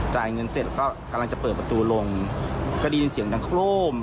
จ่ายเงินเสร็จก็กำลังจะเปิดประตูลงก็ได้ยินเสียงดังโครม